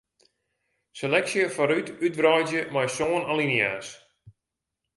Seleksje foarút útwreidzje mei sân alinea's.